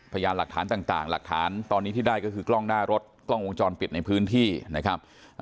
พยานหลักฐานต่างหลักฐานตอนนี้ที่ได้ก็คือกล้องหน้ารถกล้องวงจรปิดในพื้นที่นะครับ